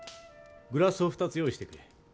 グラスを２つ用意してくれ。